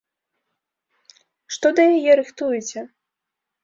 Што да яе рыхтуеце?